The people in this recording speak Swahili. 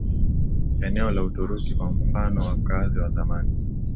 eneo la Uturuki Kwa mfano wakaazi wa zamani